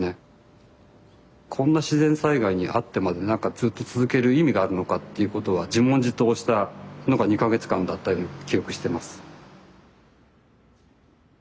こんな自然災害に遭ってまでなんかずっと続ける意味があるのかっていうことは自問自答したのが２か月間だった記憶してます。